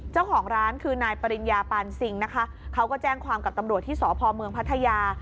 เจ้าของร้านคือนายปริญญาปานซิงนะคะเขาก็แจ้งความกับตำรวจที่สพเมืองพัทยา